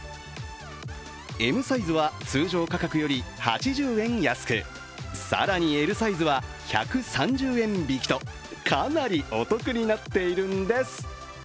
Ｍサイズは通常価格より８０円安く更にＬサイズは１３０円引きとかなりお得になっているんです。